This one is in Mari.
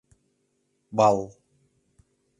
Балл